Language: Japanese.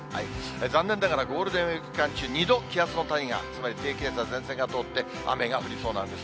残念ながらゴールデンウィーク期間中、２度気圧の谷が、つまり低気圧や前線が通って、雨が降りそうなんです。